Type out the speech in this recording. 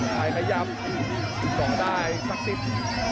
ก็พยายามก่อได้ศักดิ์สิทธิ์